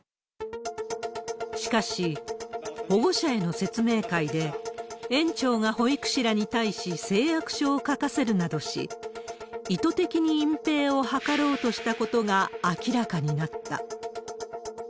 しかし、保護者への説明会で、園長が保育士らに対し誓約書を書かせるなどし、意図的に隠蔽を測ろうとしたことが明らかになった。